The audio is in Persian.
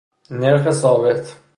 نرخ ثابت